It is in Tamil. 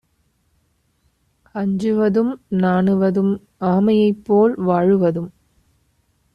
அஞ்சுவதும் நாணுவதும் ஆமையைப்போல் வாழுவதும்